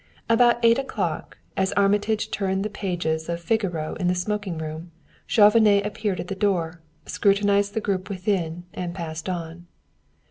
At about eight o'clock, as Armitage turned the pages of Figaro in the smoking room, Chauvenet appeared at the door, scrutinized the group within, and passed on.